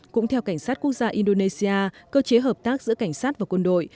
cũng theo cảnh sát quốc gia indonesia cơ chế hợp tác giữa cảnh sát và quân đội